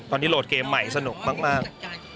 ตอนนี้โหลดเกมใหม่สนุกมาก